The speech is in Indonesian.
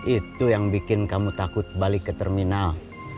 itu yang bikin kamu takut balik ke terminal